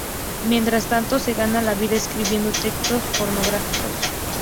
Mientras tanto se gana la vida escribiendo textos pornográficos.